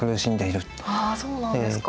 あそうなんですか。